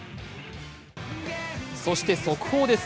そして速報です。